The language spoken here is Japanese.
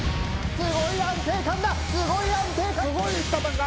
すごい安定感だすごい安定感。